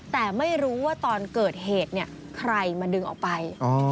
แต่ไม่รู้ว่าตอนเกิดเหตุเนี่ยใครมาดึงออกไป